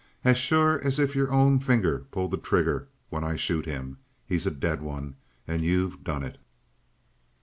As sure as if your own finger pulled the trigger when I shoot him. He's a dead one, and you've done it!"